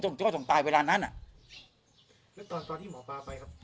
เจ้าส่งตายเวลานั้นอ่ะแล้วตอนตอนที่หมอปลาไปครับ